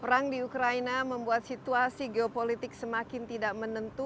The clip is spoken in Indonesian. perang di ukraina membuat situasi geopolitik semakin tidak menentu